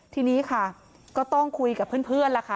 ทีนี้ค่ะก็ต้องคุยกับเพื่อนล่ะค่ะ